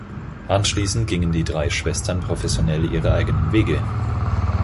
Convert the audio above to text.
Anschließend gingen die drei Schwestern professionell ihre eigenen Wege.